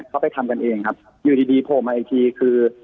เขาไปทำกันเองครับอยู่ดีโผล่มาอีกทีคือ